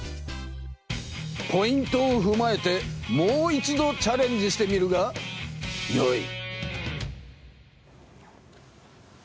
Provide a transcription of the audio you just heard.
ポイントをふまえてもう一度チャレンジしてみるがよい！